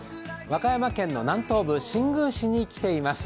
和歌山県の南東部新宮市に来ています。